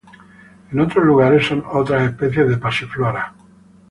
En otros lugares son otras especies de "Passiflora".